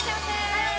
はい！